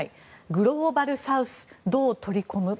グローバルサウスどう取り込む？